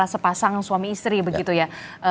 sepasang suami istri begitu ya